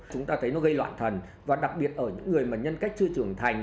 chúng ta thấy nó gây loạn thần và đặc biệt ở những người mà nhân cách chưa trưởng thành